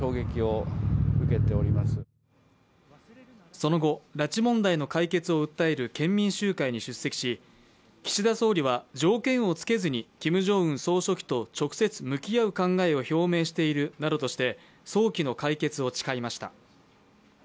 その後、拉致問題の解決を訴える県民集会に出席し、岸田総理は条件をつけずにキム・ジョンウン総書記と直接向き合う考えを表明しているなどとして、早期の解決を誓いました。